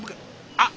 あっ！